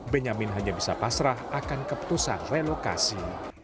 benyamin hanya bisa pasrah akan keputusan relokasi